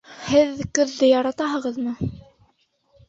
Һеҙ көҙҙө яратаһығыҙмы?